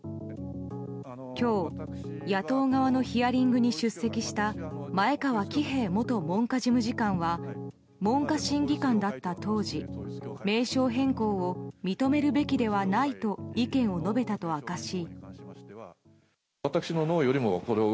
今日、野党側のヒアリングに出席した前川喜平元文科事務次官は文科審議官だった当時名称変更を認めるべきではないと意見を述べたと明かし。